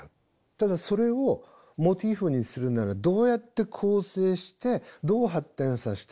ただそれをモチーフにするならどうやって構成してどう発展させて作っていくか。